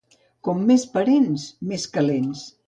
Com més parents, més calents.